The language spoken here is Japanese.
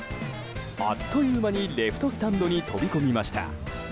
あっという間にレフトスタンドに飛び込みました。